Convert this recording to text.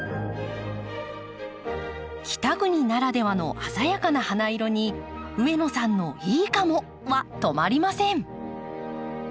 北国ならではの鮮やかな花色に上野さんの「いいかも！」は止まりません。